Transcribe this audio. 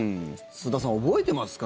須田さん、覚えてますか？